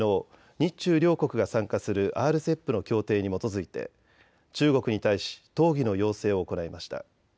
日中両国が参加するＲＣＥＰの協定に基づいて中国に対し討議の要請を行いました。